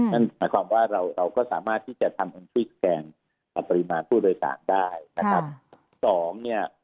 นั่นหมายความว่าเราก็สามารถที่จะทำอุณหภูมิแสดงกับปริมาณผู้โดยสารได้